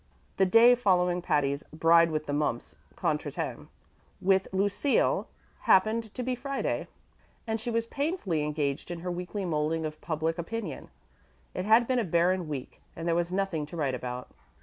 The day following Patty's bride with the mumps contretemps with Lucille happened to be Friday, and she was painfully engaged in her weekly molding of public opinion. It had been a barren week, and there was nothing to write about.